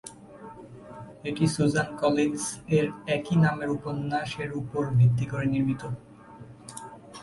এটি "Suzanne Collins" এর একই নামের উপন্যাস এর ওপর ভিত্তি করে নির্মিত।